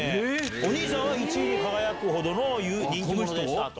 お兄さんは１位に輝くほどの人気者でしたと。